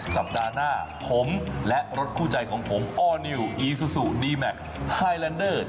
สัปดาห์หน้าผมและรถคู่ใจของผมอ้อนิวอีซูซูดีแมคไทยแลนเดอร์